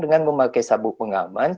dengan memakai sabuk pengaman